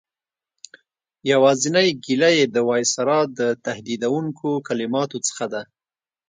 یوازینۍ ګیله یې د وایسرا د تهدیدوونکو کلماتو څخه ده.